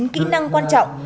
chín kỹ năng quan trọng